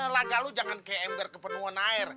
laga lo jangan kayak ember kepenuhan air